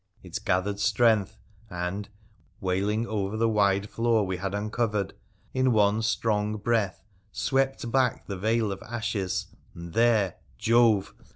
It gathered strength, and, wailing over the wide floor we had uncovered, in one strong breath swept back the veil of ashes, and there — Jove